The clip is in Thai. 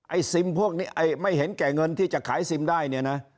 ซิมพวกนี้ไม่เห็นแก่เงินที่จะขายซิมได้เนี่ยนะ